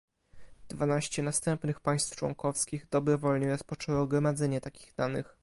Dwanaście następnych państw członkowskich dobrowolnie rozpoczęło gromadzenie takich danych